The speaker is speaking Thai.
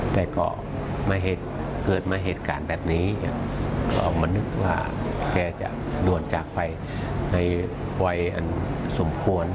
แต่ก็เกิดมาเหตุการณ์แบบนี้ออกมานึกว่าแกจะด่วนจากไปในวัยอันสมควร